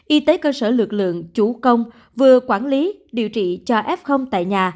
y tế cơ sở lực lượng chủ công vừa quản lý điều trị cho f tại nhà